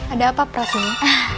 ada apa prasini